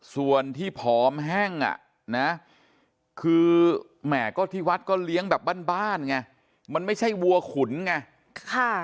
ส่วนที่ผอมแห้งอ่ะนะคือแหมก็ที่วัดก็เลี้ยงแบบบ้านไงมันไม่ใช่วัวขุนไง